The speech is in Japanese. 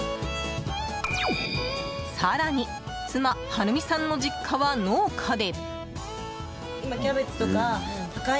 更に妻・晴美さんの実家は農家で。